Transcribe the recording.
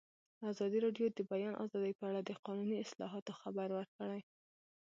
ازادي راډیو د د بیان آزادي په اړه د قانوني اصلاحاتو خبر ورکړی.